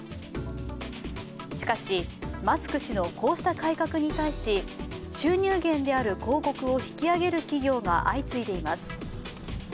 しかし、マスク氏のこうした改革に対し収入源である広告を引き上げることが相次いでいます。